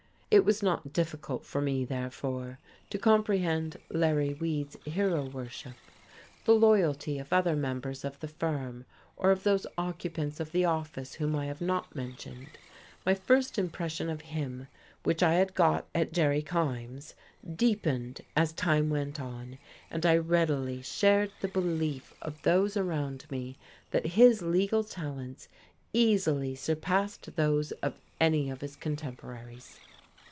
It was not difficult for me, therefore, to comprehend Larry Weed's hero worship, the loyalty of other members of the firm or of those occupants of the office whom I have not mentioned. My first impression of him, which I had got at Jerry Kyme's, deepened as time went on, and I readily shared the belief of those around me that his legal talents easily surpassed those of any of his contemporaries.